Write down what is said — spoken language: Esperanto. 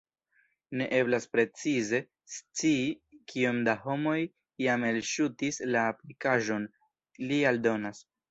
Ne eblas precize scii, kiom da homoj jam elŝutis la aplikaĵon, li aldonas.